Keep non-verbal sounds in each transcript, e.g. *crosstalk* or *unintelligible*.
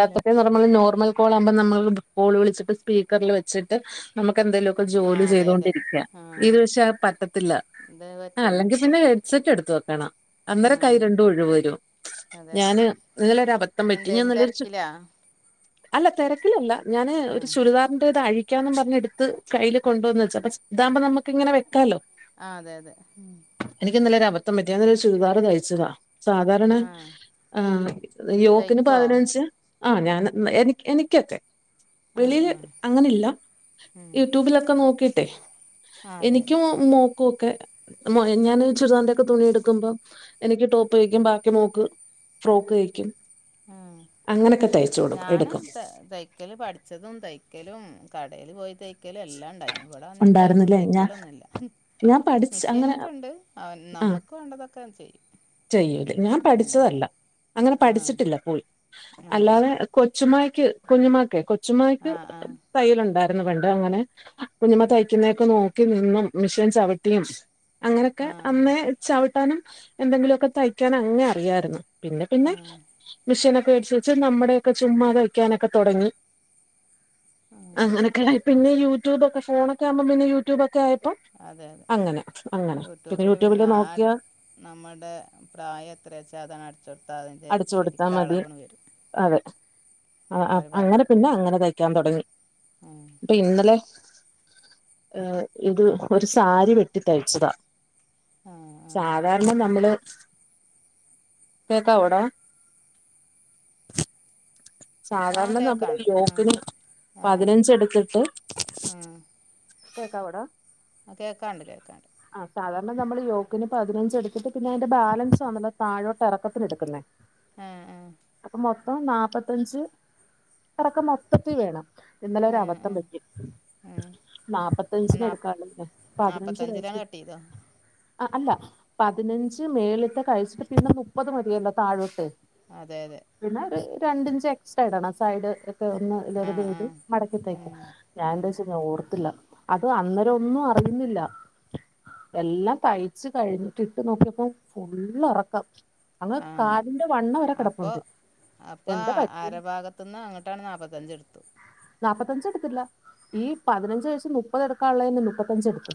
Hello നമ്മള് normal call ആകുമ്പോൾ നമ്മൽൾ കോള് വിളിച്ചിട്ട് സ്പീക്കറിൽ വെച്ചിട്ട് നമക്ക് ക്ക എന്തെലും ഒക്കെ ആ ജോലി അതെ അതെ ചെയ്തൊണ്ടിരിക്ക ആ ഇത് പക്ഷേ അത് പറ്റത്തില്ല ഇത് ആ പറ്റൂല അല്ലെങ്കിൽ പിന്നെ ഹെഡ്സെറ്റ് എടുത്തോ ആ അന്നേരം കൈ രണ്ടും ഒഴിവ് വരും ഞാന് ഇന്നലൊരബദ്ധം പറ്റി എന്ത് ഞാൻ നല്ലൊരു തിരക്കില അല്ല തിരക്കിലല്ല ഞാന് ഒരു ചുരിദാറിന്റ ത് അഴിക്ക വക്കന്നും പറഞ്ഞ് എടുത്ത് കയ്യിൽ കൊണ്ടുവന്ന വച്ചു നമ്മുക്ക് ഇങ്ങനെ വെക്കാലോ ആ അതെ അതെ ഇന്നലെ ഒരു അബദ്ധം പറ്റിയതാ ചുരിദാറ് തയിച്ചതാ സാധാരണ ആ തയ്ക്കോ പതിനഞ്ച് ആ ഞാൻ എ എനിക്കൊക്കെ ആ വെളിയിൽ ആ അങ്ങനെ ഇല്ല ഉം യൂട്യൂബിലൊക്കെ നോക്കിട്ടെ ആ അതെ എനിക്കു *unintelligible* ക്കെ ഞാൻ ചുരിദാറിന്റെ ഒക്കെ തുണി എടുക്കുമ്പോം എനിക്ക് ടോപ്പ് അടിക്കും ബാക്കി മോൾക്ക് ടോപ്പ് ഫ്രോക്ക് കഴിക്കും ഉം ഞാന് എടുക്കും തൈക്കല് പഠിച്ചതും തയ്ക്കലും കടൽ പോയി തയ്ക്കൽ എല്ലാം ഉണ്ടായിനി ഇവിടെ വന്നതിന് ശേഷം ഉണ്ടായിരുന്നില്ലേ ഞാൻ തയ്ക്കലൊന്നൂല്ല ഞാൻ പഠിച്ച് അങ്ങനെ മെഷീനൊക്കെ ഉണ്ട് അവൻ ആ നമ്മക്ക് വേണ്ടതൊക്കെ ചെയ്യും ചെയ്യൂലേ ഞാൻ ഉം പഠിച്ചതല്ല അങ്ങനെ പഠിച്ചിട്ടില്ല പോയി ആ അല്ലാതെ ആ കൊച്ചുമായക്ക് കൊഞ്ഞുമാക്ക് കൊ കൊച്ചുമ്മയ്ക്ക് ആ ആ തയലു ണ്ടായിരുന്നു പണ്ട് അങ്ങനെ കുഞ്ഞുമമ്മ തയ്ക്കുന്നതൊക്കെ നോക്കി നിന്നും മിഷീൻ ചവിട്ടിയും അങ്ങനെയൊക്കെ ആ അന്നേ ആ ചവിട്ടാനും എന്തെങ്കിലുമൊക്കെ തയ്ക്കാൻ അങ്ങെനെ അറിയായിരുന്നു പിന്നെ പിന്നെ ആ മിഷീനൊക്കെ- *unintelligible* നമ്മടൊക്കെ ചുമ്മാ തയ്ക്കാനൊക്കെ തുടങ്ങി അങ്ങനൊക്കല്ലേ പിന്ന യൂട്യൂബൊക്കെോ ഫോണേക്കെ ഒക്കെകുമ്പോ പിന്ന യൂട്യൂ്ക്ക ആ അതേ യൂട്യൂബില് പിന്നെ ആ നമ്മുടെ പ്രായം എത്രാച്ച അതങ്ങ് അടിച്ചു കൊടു പ്പാതിൻ്റെ അടിച്ചു കൊടുത്താ ശരിക്കളവും തരും ആ അ അങ്ങനെ പിന്നങ്ങനെ തയ്ക്കാൻ തുടങ്ങി പ്പൊ ആ ഇന്നലെ *unintelligible* ഇത് ഒരു സാരി വെട്ടി തയ്ച്ചതാ. ആ ആ സാധാരണ നമ്മള് *unintelligible* പ്പവിടെ ആ സാധാരണ നമ്മള് കേൾക്കാണ്ട് ആ യോക്കിന് ആ പതിനഞ്ച് എടുത്തിട്ട് *unintelligible* കേക്കാണ്ട് കേക്കാണ്ട് ആ സാധാരണ നമ്മള് യോക്കിന് പതിനഞ്ച് എടുത്തിട്ട് പിന്നതിന്റെ ബാലൻസ് ആണല്ലോ താഴോട്ടെറക്കത്തിനെടുക്കുന്നേ ആ അപ്പം നാപ്പത്തഞ്ച് ഇറക്കം മൊത്തത്തി വേണം ഇന്നലെ ഒരു ആ അവദ്ധം ആ പറ്റി ആ നാപ്പത്തഞ്ചിനെടുക്കാനൊള്ളതിനേ പതിനഞ്ച് ഇതോ അ അല്ല പതിനഞ്ച് മേളിത്തേ കഴിച്ചിട്ട് പിന്നെ മുപ്പത് മതിയല്ലോ താഴോട്ട് അതെ അതെ പിന്നെ ഒരു രണ്ടിഞ്ച് എക്സ്ട്രാ ഇടണം സൈഡ് ഒ ഒന്ന് ആ ആ ഇതേ *unintelligible* മടക്കി തയിക്കപ ഞാൻ തയിച്ചാർത്തില്ല അത് അന്നേരൊന്ന് അറിയുന്നില്ല എല്ലാം തയ്ച്ച് കഴിഞ്ഞിട്ടിട്ടു നോക്കിയപ്പോ ഫുളളിറളളിറക്കം അങ്ങ് കാലിന്റെ കണ്ണ വരെ കിടപ്പുണ്ട്. അപ്പൊ എന്താ പറ്റി അര ഭാഗത്തുന്ന് അങ്ങോട്ടാണ് നാപ്പത്തഞ്ച് എടു നാപ്പത്തഞ്ച് എടുത്തില്ല ഈ പതിനഞ്ചവയ മുപ്പതെടുക്കാനുള്ള മുപ്പത്തഞ്ച് എടുത്തു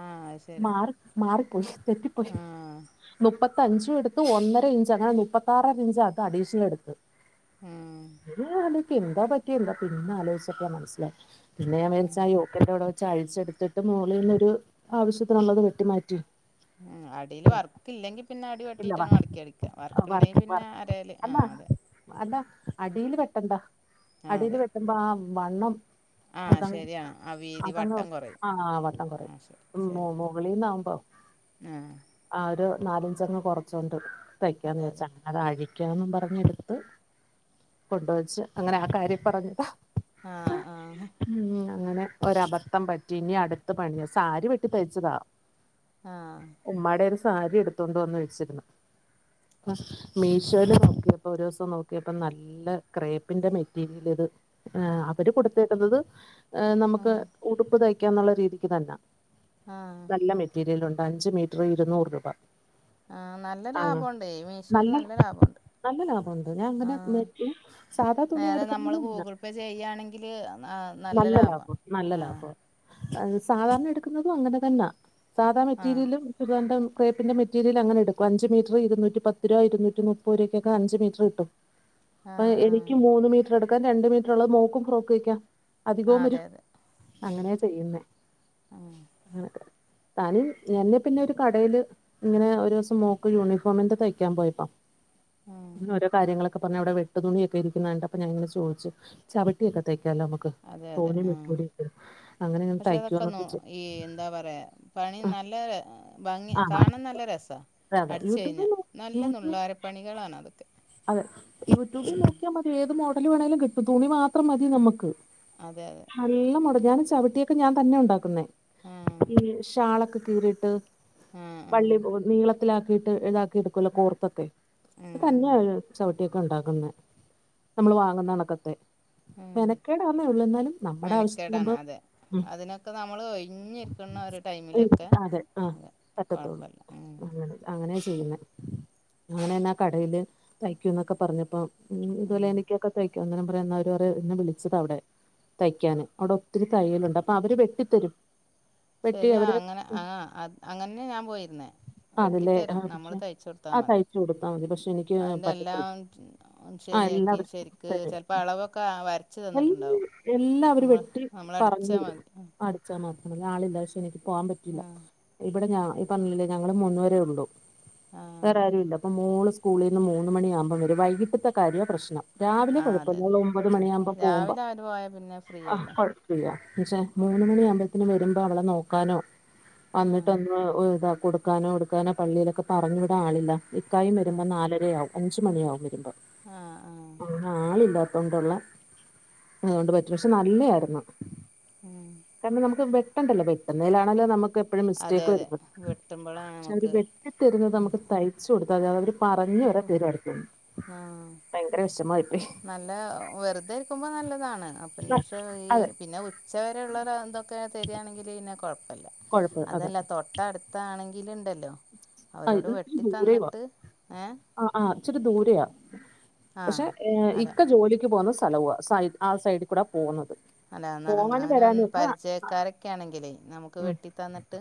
ആഹ് അത് ശരി മാറി മാറിപ്പോയി തെറ്റിപ്പോയി ആഹ് മുപ്പ ത്തഞ്ചു എടുത്തു ഒന്നര ഇഞ്ച് അങ്ങനെ മുപ്പത്താറര ഇഞ്ച്ട്ടോ അഡീഷ്ണലെടുത്തത് ഉം എന്താ പറ്റി എന്താ പിന്നെ ആലോചിച്ചപ്പളാ മനസ്സിലാ. പിന്നെ ഞാൻ വെച്ച് ആ യോക്കിന്റെവിടെ വെച്ച് അഴിച്ചെടുത്തിട്ട് മോളിന്നൊരു ആവശ്യത്തിനുള്ളത് വെട്ടി മാറ്റി ഉം അടിലുവർക്കില്ലെങ്കി പിന്നെ അടി ഇല്ല വാ വെട്ടിയിട്ടങ്ങ് മടക്കി അടിക്കുക വർക്കുണ്ടെങ്കിൽ വർക്ക് പിന്നെ അരേല് ആ അടിലുവെട്ടണ്ടാ ആഹ് അടില് അതെ വെട്ടുമ്പോ ആ വണ്ണം ആഹ് ശരിയാണ് ആ വീതി വട്ടം *unintelligible* കുറയും ആ വട്ടം ആഹ് ശരി കുറയും മു ശരി മുകളിന്നാവുമ്പോ ആഹ് ആ ഒരു നാലഞ്ചങ്ങ് കൊറച്ചോണ്ട് തയ്ക്കാന്നു അതെ അതെ വിചാരിച്ചങ്ങനഴി *unintelligible* പറഞ്ഞെടുത്ത് കൊണ്ടുവെച്ച് അങ്ങനെ ആ കാര്യം പറഞ്ഞു ആ ആഹ് ഒര അബദ്ധം പറ്റി ഇനിയടുത്ത പണിയ സാരി വെട്ടി തയ്ച്ചതാ ആ ഉമ്മാടെ ഒരു സാരി എടുത്തോണ്ടുവന്നു വെച്ചിരുന്നു മീഷോയില് നോക്കിയപ്പോ ഒരു ദിവസം നോക്കിയപ്പോ നല്ല ക്രേപ്പിന്റെ മെറ്റീരിലിത് ആ അവര് കൊടുത്തേക്കുന്നത് നമുക്ക് ഉം ഉടുപ്പ് തയ്ക്കാന്നുള്ള രീതിക്കുതന്ന ആഹ് നല്ല മെറ്റീരിയലു. അഞ്ച് മീറ്ററിരുന്നൂറ് രൂപ. ആ നല്ല ആഹ് ലാഭമുണ്ട് മീഷോയില് നല്ല ലാഭമുണ്ട്. നല്ല ലാഭമുണ്ട് ഞാൻ അങ്ങനെ ആഹ് *unintelligible* സാധാ നേരെ നമ്മള് തുണിയടുക്കുന്നത ഗൂഗിൾ പേ ചെയ്യുകയാണെങ്കില് നല്ല ലാഭമാണ് ലാഭം നല്ല ആഹ് ലാഭം സാധാരണ എടുക്കുന്നതും അങ്ങനെ തന്നാ സാധാ ആഹ് മെറ്റീരിയലും *unintelligible* ക്രേപ്പിന്റെ മെറ്റീരിയല് അങ്ങന എടുക്ക അഞ്ച് മീറ്റർ ഇരുന്നീറ്റി പത്തുരുപ ഇരുന്നൂറ്റിമുപ്പതു രൂപകൊക്കെ അഞ്ചുമീറ്ററു കിട്ടും അ ആഹ് ആഹ് എനിക്കും മൂന്ന് മീറ്ററെടുക്കാ രണ്ട് മീറ്റർള്ള മോക്കും ഫ്രോക്കയിക്ക ആഹ് അധികോവരും അതെ അതെ ഉം അങ്ങനചെയ്യുന്നെ ആഹ് അങ്ങന താന് എന്നെപിന്നെ ഒരു കടേല്. ഇങ്ങനെ ഒരോസം മോക്ക് യൂണിഫോമിന്റെ തയ്ക്കാൻ പോയിനു. ആഹ് ഓരോ കാര്യങ്ങള്. ക്കെ പറഞ്ഞ അവ്ടെ വെട്ടുതുണി ഒക്കെ ഇരിക്കുന്നാണ്ടപ്പ ഞങ്ങള്ചോയ്ച്ചു. ചവിട്ടിക്കെതയ്കാലൊമ്മക്ക്. അതെ അതെ ആ അങ്ങനെ ഞാൻ പഷെ അതൊക്കെ തയ്ക്കുവോന്നൊക്കെ ചോ നൊകി എന്താപറയാ ആഹ് പണിനല്ലും. ഉട് ഭംഗി ആഹ് കാണാ നല്ലരസ. അതെ അതെ അടിച്ചഴിഞ്ഞാ യൂട്യൂബിൽ നോ നല്ല യൂട്യൂബ് നുള്ളാരപ്പണികളാണ്. അതൊക്കെ അതെ ഉം യൂട്യൂബിനോക്കിയാമതി ഏത് മോഡ ല്ല് വേണേലും കിട്ടും തുണിമാത്രം മതി നമ്മക്ക്‌ അതെ അതെ നല്ലമൊടഞാല്. ചവിട്ടിയൊക്കെ ഞാൻ തന്നെ ഉണ്ടാക്കുന്നെ. ആഹ് ഈ ഷാളൊക്കെകീറിട്ട്. ആഹ് ആഹ് വള്ളി നീളത്തിലാക്കിയിട്ട് ഇതാക്കിട്കുലെ കോർതൊക്കെ. ഉം ഉം തന്നെയാണ് ചവിട്ടിയൊക്കെ ണ്ടാക്കുന്നെ. നമ്മള് വാങ്ങുന്നണക്കത്തെ എ കേട് വന്ന് ഒള്ളുന്നാലും നമ്മടെ ആവശ്യത്തിനമ്മ അതെ അതിനൊക്കെ നമ്മള് ഒഴിഞ്ഞിരിക്കണ ഒരു ടൈമിലൊക്കെ? പറ്റത്തോള്ളു കൊഴപ്പല്ല ഉം അങ്ങനെ അങ്ങനെ *unintelligible* അങ്ങനന്നെ ആ കടയില്. തയ്ക്കുന്നൊക്കെ പറഞ്ഞപ്പോ? ഉം ഇതുപോലെ എനിക്കൊക്കെ തയ്ക്കും അങ്ങനെ പറന്ന *unintelligible* എന്നെ വിളി ച്ചതാ അവ്‌ടെ തയ്ക്കാന് അടെ ഒത്തിരി തയ്യലുണ്ട്. അപ്പൊ അവര് വെട്ടിത്തരും. വെട്ടി ശരിയാ അവര് അങ്ങനെ ആ അങ്ങന്നെ ഞാപോയിര്ന്നേ. അതല്ലേ വെട്ടിത്തരും. ആഹ് നമ്മള് പക്ഷെ ആഹ് തയ്ചൊട്ത്താമതി. തയ്ച്ചു കൊടുത്താ മതി പക്ഷെ എനിക്ക് അയിന്റെ പറ്റത്തില്ല എല്ലാം ശരി ആഹ് ശരിയാക്കി എല്ലാവരും ശരിക്ക് തരും ച്ചെൽപ്പൊ അളവൊക്കെ വര *unintelligible* എല്ലാവരും വെട്ടി നമ്മളടിച്ചാൽ പറഞ്തരും മതി അടിച്ചാമാത്രമതി. ഞ ആളില്ല പക്ഷേ പോവാപറ്റീല്ല. ആ ഇബടെ ഞ ഇ പറഞ്ഞില്ലേ ഞങ്ങള് മൂന്ന്പരെഒള്ളു. ആ വേറെ ആരുഇല്ല അപ്പ മോള് സ്കൂളിന്ന് മൂന്ന്മണിയാവുമ്പം വരും. വൈകിട്ട്ത്തെ കാര്യോ പ്രശ്നം. രാവിലെ ആ അതെ കുഴപ്പല്ല അതെ ഓള് ഒമ്പത് ആ മണിയാമ്പ പോവുമ്പോ രാവിലെ അവർ പോയാൽ പിന്നെ ഫ്രീ ആ അല്ലേ കൊഴപ്പല്ല. ക്ഷെ മൂന്ന് മണിയാവുമ്പയ്ത്തിന് വരുമ്പോ അവളെ നോക്കാനോ ആ വന്നിട്ട് ഒന്ന് *unintelligible* കൊടുക്കാനോ ഇട്ക്കാനോ പള്ളിയിലൊക്കെ പറഞ്ഞു വിടആളില്ല. ഇക്കായും ആ വരുമ്പം നാലരയാവു അഞ്ച് മണിയാവും വരുമ്പം. ആ ആ തൊണ്ടുള്ള അതോണ്ട് *unintelligible* നല്ലെയായിരുന്നു. ഉം. കരണം നമുക്ക് വെട്ടണ്ടല്ലൊ? വെട്ടുന്നയിലാണല്ലൊ നമു എപ്പഴും അതെ മിസ്റ്റേക്ക് അതെ വരുന്നെ വെട്ടുമ്പോഴാണ് ക്ഷെ അവര് നമുക്ക് വെട്ടിതരുന്നത്. മ്മക്ക് തയ്ചൊടുത്ത *unintelligible* പറഞ് വരെ വെട്ടിത്ത് *unintelligible* ആ ഭയങ്കരവെഷമായി നല്ല വെറുതെ ഇരിക്കുമ്പൊനല്ലതാണ്. അ പിന്നഷെ ഈ അതെ പിന്നെ ഉച്ചവരെ ഉള്ളരാന്തൊക്കെ തരാണെങ്കില് ഇന്നെ കൊഴപ്പല്ല. കൊഴപ്പ അതെ അതല്ല തൊട്ടഅടുത്താണെകി ങ്കില്ണ്ടല്ലോ? അഹ് ഇ ഇ ദൂരയുവാ ഏ ആ ആ ഇച്ചിരി ദൂരയാ. ആ പഷെ അല്ല ഇക്ക ജോലിക്ക് പോവ്ന്ന സലവൊ സൈഡ് ആ സൈഡികൂടെ പോവുന്നത്. അല്ല ന്ന അങ്ങനെ പരിചയക്കാരൊക്കെ ആണെങ്കിലേ നമുക്ക് ഉം വെട്ടി തന്നിട്ട്.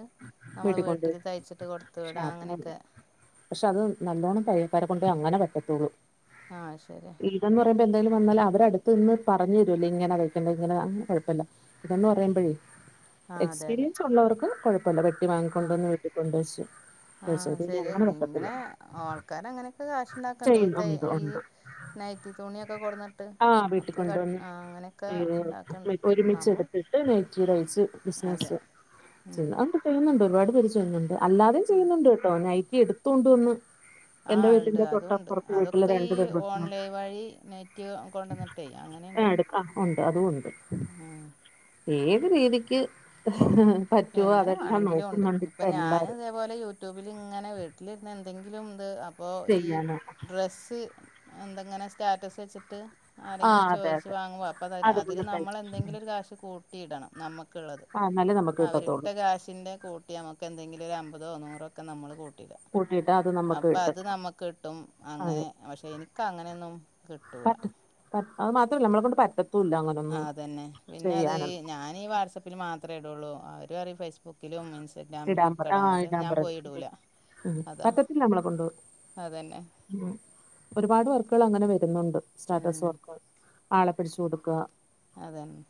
നമ്മള് വീട്ടില്തയ്ച്ചിട്ട് കൊടുത്ത് വിടാം. അങ്ങനെയൊക്കെ പഷെ അത് നല്ലോണം തയ്യൽക്കാരെ കൊണ്ടെ അങ്ങനെ പറ്റത്തൊള്ളൂ. ആ ശരിഅ പ്പ എന്തെലുംവന്നാല് അവരഅട്ത്ത്നിന്ന് പറഞ്ഞരുല്ലൊ ഇങ്ങനെ വെക്കണ്ടേ ഇങ്ങന തൈകണ്ടേ അങ്ങനെ *unintelligible* പറയുമ്പയേ ആ അതെ അതെ എക്സ്പീരിയൻസ് ഉള്ളവർക്ക് കൊഴപ്പല്ല. വെട്ടിവാങ്ങിക്കൊണ്ടന്ന് വീട്ടികൊണ്ടയ്ച്ച്. ആ ശരി ഇങ്ങനെ ആൾക്കാരഅങ്ങനെക്കെ കാശ്ണ്ടാക്കണ്ട്. ഈ തയ് ചെയ്യുന്നുണ്ട് ഈ ഉണ്ട് നൈ റ്റി തുണിയൊക്കെ കൊട്ന്നിട്ട് ആ വീട്ടിൽ ഒക്കെ ക കൊണ്ടുവന്ന് ആ അങ്ങനെക്കെ ഉണ്ടാക്ണ്ട്. നമ്മള് ഇറ്റിഡയ്സ് ബിസിനസ് ഉം അങ്ങനെ ചെയ്യുന്നുണ്ട് ഒരുപാട് പേര് ചെയ്യുന്നുണ്ട് അല്ലാതേം ചെയ്യുന്നുണ്ട് കേട്ടോ നൈറ്റി എട്തോണ്ടവന്ന്. എന്റെ ആഹ് ഉണ്ട് വീട്ടിന്റെ അതും ഉണ്ട് തൊട്ടപ്പുറത്ത് വീട്ടില് അതൊക്കെ ഈ രണ്ടു പെണ്ണ്മക്കളാണ് ഓൺലൈൻ വഴി നെറ്റ് കൊണ്ടുവന്നിട്ടേ അങ്ങനെയുണ്ട് അടുക്ക തക്കണ്ട് അതും ണ്ട് ഉം ഏത് രീതിക്ക് പറ്റുവോ എങ്ങനെ അതെല്ലാം വേണമെങ്കിലും ഉണ്ട് നോക്കുന്നുണ്ട്പ്പോ ഇപ്പം ഞാൻ എല്ലാരും ഇതേപോലെ യൂട്യൂബിൽ ഇങ്ങനെ വീട്ടിലിരുന്ന്. എന്തെങ്കിലും ഇത് അപ്പോ ഈ ചെയ്യാന് ഡ്രസ്സ് എന്തെങ്ങനെ സ്റ്റാറ്റസ് വെച്ചിട്ട്. ആ ആരെങ്കിലും അതെ ചോയ്ച് അതെ വാങ്ങും അപ്പ അതില് അതുപോലെ നമ്മൾ തയ്ച്ച് എന്തെങ്കിലും ഒരു കാശ് കൂട്ടിയിടണം. നമ്മുക്കുള്ളത്. ആ എന്നാലേ നമുക്ക് അവരിട്ട കിട്ടത്തുള്ളൂ കാഷിന്റെ കൂട്ടി നമുക്ക് എന്തെങ്കിലും ഒരു അമ്പതോ നൂറോ ഒക്കെ നമ്മള് കൂട്ടണം കൂട്ടിട്ടാ അപ്പൊ അത് നമ്മക്ക് കിട്ടും അതെ അങ്ങനെ പക്ഷെ എനിക്ക്‌ അങ്ങനെയൊന്നും കിട്ടൂല പറ്റും അത് മാത്രമല്ല നമ്മള കൊണ്ട് പറ്റും ആതന്നെ പിന്നെ അത് ഈ ഞാനീ വാട്സആപ്പിൽ മാത്രമേ ഇടുള്ളൂ അവരും പറിം ഫേസ്ബുക്ക്‌ ബുക്കിലും ഇടാൻ പറ ഇൻസ്റ്റഗ്രാിമിലൊക്കെടാന് ആഹ് അതൊന്നും ഇടാൻ ഞാൻ പറഞ്ഞു പോയിടൂല പറ്റത്തില്ല നമ്മളെ കൊണ്ട് അതന്നെ ഒരുപാട് പേർക്ക് പ്പള് അങ്ങനെ വരുന്നുണ്ട് സ്റ്റാറ്റസ് ഉം വർക്ക് ആളെ പിടിച്ചു കൊടുക്കുക അതെന്ന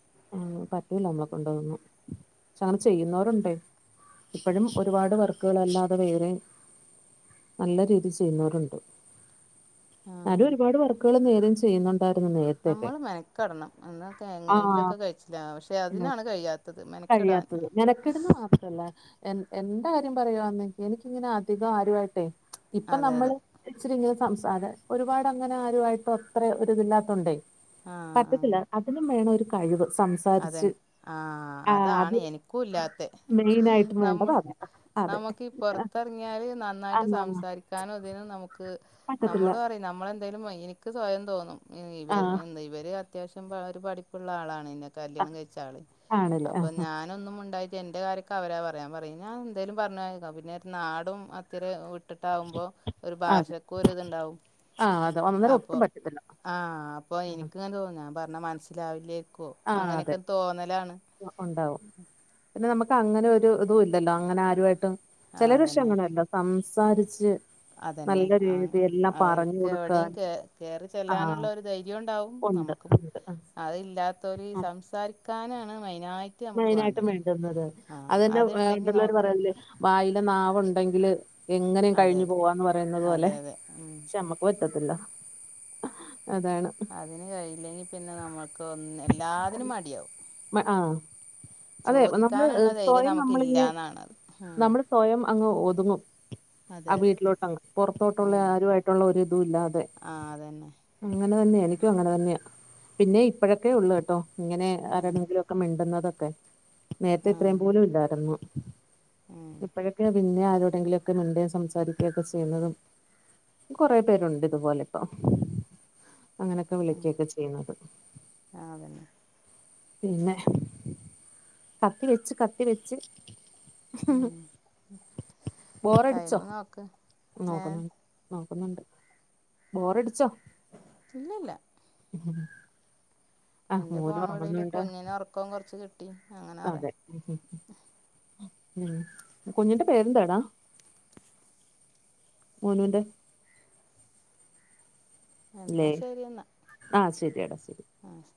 ലത് നമ്മളെ കൊണ്ടൊന്നും പക്ഷെ അങ്ങനെ ചെയ്യുന്നവരുണ്ട് ഇപ്പോഴും ഒരുപാട് വർക്കുകളല്ലാതെ വേറേം നല്ല രീതി ചെയ്യുന്നവരുണ്ട് ആ ഞാനും ഒരുപാട് വർക്കുകൾ വേറേം ചെയ്യുന്നുണ്ട് നമ്മൾ മെന്ക്കടണം എന്നക്കെ എങ്ങനെയെങ്കിലും ഒക്കെ ആഹ് കയ്ച്ചിലാവ പക്ഷെ അതിനാണ് കഴിയാത്തത് മെനക്കടാന് മെനക്കെട്ന്ന് മാത്രല്ല എന് എന്റെ കാര്യം പറയുവാന്നെ എനിക്കിങ്ങനെ അധികം ആരുവായിട്ടേ ഇപ്പൊ അതെ നമ്മള് അതെ ഇച്ചരി സംസാരം ഒരുപാട് അങ്ങനെ ആരുആയിയിട്ട് അത്ര ഒരുരിതില്ലാതോണ്ടേയ് ആ പറ്റത്തില്ല ആ അതിനും വേണം ഒരു കഴിവ് സംസാരിച്ച് അതന്നെ ആഹ ആഹ് അതാണ് അത് എനിക്കൂല്ലാത്തെ മെയിനായിട്ടും നമ്മൾ വേണ്ടത് അതാ അതെ നമുക്ക് പുറത്തിറങ്ങിയാല് നന്നായിട്ട് ആഹ് സംസാരിക്കാനും ഇതിനും നമുക്ക് നമ്മക്ക് പറ്റത്തില്ല നമ്മള് പറയും നമ്മളെന്തായാലുംവയ്യ എനിക്ക് സ്വയം തോന്നും ഇവ ആഹ് ഇവര് അത് അത്യാവശ്യം പഠി ഒരു പഠിപ്പ്ള്ള ളാണ് ന്നെ കല്യാണം കഴിച്ച ആള് ആണല്ലേ അപ്പൊ ആഹ് ഞാനൊന്നും മുണ്ടായി എന്റെ കാര്യൊക്കെ അവരാ പറയാൻ പറയും ഞാൻ എന്തേലും പറഞ് പോയാ പിന്നെ ഒരു നാടും അത്തിരി ട്ടിട്ടാവുമ്പോ ഒരു അതെ ഭാഷക്കും ഒരി തുണ്ടാവും ആഹ് അതെ അന്നേരം അപ്പൊ ഒട്ടും പറ്റത്തില്ല ആഹ അപ്പൊ എനിക്കിങ്ങനെ തോന്നുന്നു പറഞ്ഞ മനസ്സിലാവില്ലേക്കും ആ അതെ ഉണ്ടാവും പിന്നെ നമുക്ക് അങ്ങനെ ഒരു ഇതും ഇല്ലല്ലോ അങ്ങനെ ആരുമായിട്ടും ആഹ് ചിലരു പക്ഷേ അതന്നെ അങ്ങനെല്ല സംസാരിച്ച് അതന്നെ നല്ല ആ രീതി എല്ലാം പറഞ്ഞു അവർക്ക് കൊടുക്കാൻ എവിടെയും കേ കേറി ചെല്ലാനുള്ള ആഹ് ഒരു ധൈരൂണ്ടാവും ഉണ്ട് നമുക്കും ഉണ്ട് അതില്ലാത്തോര് സംസാരിക്കാനാണ് മെയ് മൈനായിട് വേണ്ടുന്നത് ആഹ് അതന്നെ അതുണ്ടെങ്കി പണ്ടുള്ളോർ നമുക്ക് പറയല്ലേ വായിലെ നാവുണ്ട് ഉണ്ടെങ്കിൽ എങ്ങനെയും അതെ കഴിഞ്ഞു അതെ പോവാന്ന് പറയുന്നത് പോലെ അതെ അതെ ഉം പക്ഷെ നമ്മക്ക് പറ്റ പറ്റത്തില്ല അതാണ് അതിന് കഴിയില്ലെങ്കി പിന്നെ നമ്മുക്ക് ഒന്ന് എല്ലാതിനും മടിയാവും ആ അതെ നമ്മള് ചോദിക്കാനുള്ള ധൈര്യം സ്വയം നമ്മളി നമുക്കില്ലാന്നാണത് ഉം നമ്മള് സ്വയം അങ്ങ് ഒതുങ്ങും ആ അതെ അതെ വീട്ടിലോട്ട പുറത്തോട്ടുള്ള ഉം. ആരുമായിട്ടുള്ള ഒരിതുല്ലാതെ ആ അതന്നെ അങ്ങനെ തന്നെയാ എനിക്ക അങ്ങനെ തന്നെയ പിന്നെ ഇപ്പോഴൊക്കെ ഉള്ളു കേട്ടോ ഇങ്ങനെ ആ ആരാടെെങ്കിലും ഒക്കെ മിണ്ടുന്നത നേരത്തെ ആ ഇത്രയും പോലും ഇല്ലായിരുന്നു ഉം. ഇപ്പോഴൊക്കെ പിന്നെ ടെങ്കിലൊക്കെ മിണ്ടേം സംസാരിക്കെ ക്കെ ചെയ്യുന്നതും കൊറെ പേരുണ്ട് ഇതുപോലെ ഇപ്പോം അങ്ങനെയൊക്കെ ഉം. വിളക്കയൊക്കെ ചെയ്യുന്നത് ആ അതന്നെ പിന്നെ കത്തി വെച്ച് കത്തി വെച്ച് ഉം. ടൈം ബോറടിച്ചോ നോക്ക് ഏ നോക്ക്‌ന്നോ നോ ക്കുന്നുണ്ട് ബോറടിച്ചോ ഇല്ലില്ല ഉം എന്റെ ഫോൺ വിളിയില് കുഞ്ഞിന് ഉറക്കോം കുറച്ച് കിട്ടി അങ്ങനെ പറയാം അതെ ഉം കുഞ്ഞിന്റെ പേരെന്താടാ മോനൂന്റെ ല്ലേ എന്നാൽ ശരി എന്നാൽ ആ ശെരിയെടാ ശെരി ആ ശരി